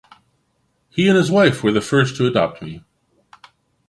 He and his wife were the first to adopt me.